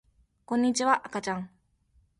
こんにちは、あかちゃん